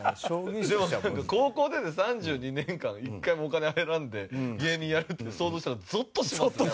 でもなんか高校出て３２年間１回もお金入らんで芸人やるっていうの想像したらゾッとしますね。